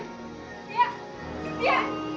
sitiya kenapa bu